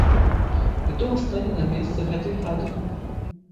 І дом стане на месцы гэтай хаты.